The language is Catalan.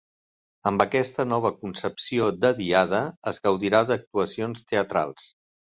Amb aquesta nova concepció de Diada es gaudirà d'actuacions teatrals.